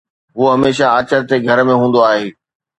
هو هميشه آچر تي گهر ۾ هوندو آهي.